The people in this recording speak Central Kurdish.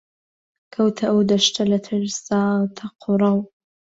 کەوتە ئەو دەشتە لە ترسا تەق و ڕەو